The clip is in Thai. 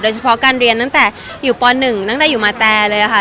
เฉพาะการเรียนตั้งแต่อยู่ป๑ตั้งแต่อยู่มาแต่เลยค่ะ